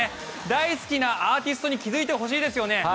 大好きなアーティストに気付いてほしいですよね。